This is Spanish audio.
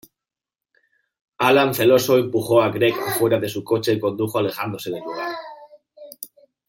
Alan celoso empujó a Greg afuera de su coche y condujo alejándose del lugar.